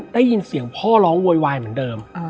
ได้ยินเสียงพ่อร้องโวยวายเหมือนเดิม